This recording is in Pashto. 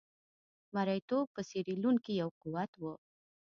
مریتوب په سیریلیون کې یو قوت وو.